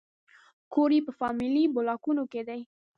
کور یې په فامیلي بلاکونو کې و.